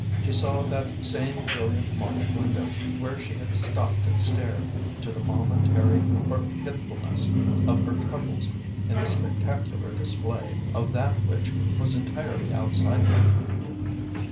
She saw that same brilliant market window where she had stopped and stared, to the momentary forgetfulness of her troubles in the spectacular display of that which was entirely outside them.